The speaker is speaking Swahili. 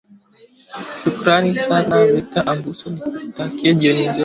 shukrani sana victor abuso nikutakie jioni njema